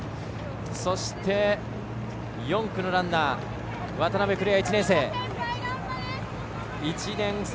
そして、４区のランナー渡邉来愛、１年生。